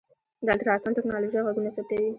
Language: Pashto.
د الټراسونډ ټکنالوژۍ غږونه ثبتوي.